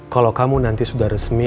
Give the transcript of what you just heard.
kalau kamu nanti sudah resmi